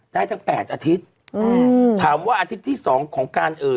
ได้ทั้งแปดอาทิตย์อืมถามว่าอาทิตย์ที่สองของการเอ่อ